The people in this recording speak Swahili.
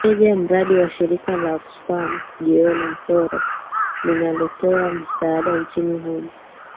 meneja mradi wa shirika la oxfam gion mtoro linalotoa misaada nchini humo